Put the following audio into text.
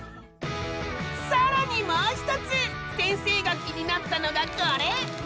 更にもう一つ先生が気になったのがこれ。